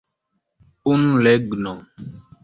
Unu regno!